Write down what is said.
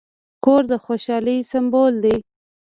کور د خوشحالۍ سمبول دی.